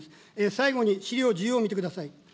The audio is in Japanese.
最後に資料１０を見てください。